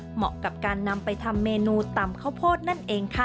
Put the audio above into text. เหมาะกับการนำไปทำเมนูตำข้าวโพดนั่นเองค่ะ